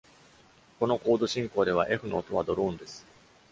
このコード進行では、F の音はドローンです。